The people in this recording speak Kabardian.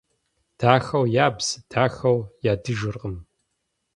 Дахэу ябз дахэу ядыжыркъым.